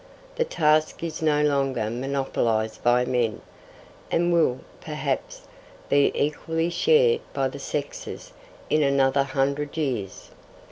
The task is no longer monopolised by men, and will, perhaps, be equally shared by the sexes in another hundred years.